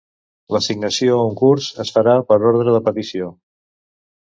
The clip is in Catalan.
L'assignació a un curs es farà per ordre de petició.